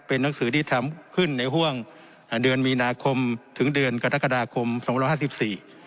เป็นหนังสือที่ทำขึ้นในห่วงอ่าเดือนมีนาคมถึงเดือนกรกฎาคมสองร้อยห้าสิบสี่